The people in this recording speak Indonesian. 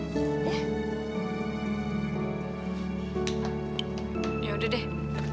ya udah deh